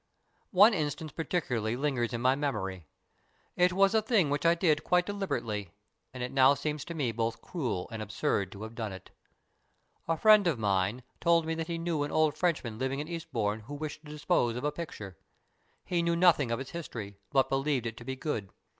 One instance particularly lingers in my memory. It was a thing which I did quite deliberately, and it now seems to me both cruel and absurd to have done it. A friend of mine told me that he knew an old Frenchman living at Eastbourne who wished to dispose of a picture. He knew nothing of its history, but believed it to be good.